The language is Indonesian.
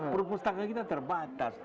perpustakaan kita terbatas